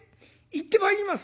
「行ってまいります」。